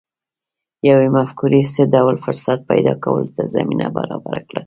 یوې مفکورې څه ډول فرصت پیدا کولو ته زمینه برابره کړه